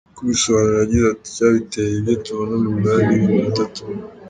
Mu kubisobanura yagize ati “ Icyabiteye, ibyo tubona mu mibare, ni ibintu bitatu.